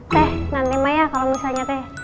teh nanti mah ya kalau misalnya teh